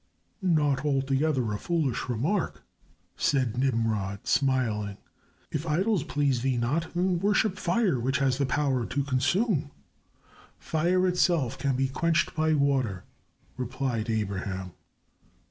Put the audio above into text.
"Not altogether a foolish remark," said Nimrod, smiling. "If idols please thee not, then worship fire which has the power to consume." "Fire itself can be quenched by water," replied Abraham.